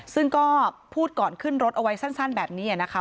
ซึ่งก็พูดก่อนขึ้นรถเอาไว้สั้นแบบนี้นะคะ